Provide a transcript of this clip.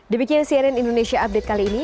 demikian cnn indonesia update kali ini